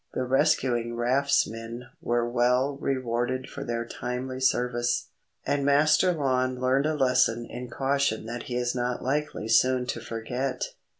The rescuing raftsmen were well rewarded for their timely service, and Master Lon learned a lesson in caution that he is not likely soon to forget.